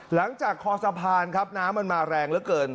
คอสะพานครับน้ำมันมาแรงเหลือเกิน